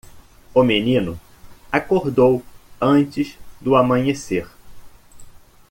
O menino acordou antes do amanhecer.